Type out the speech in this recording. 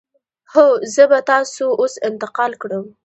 هو، زه به تاسو اوس انتقال کړم.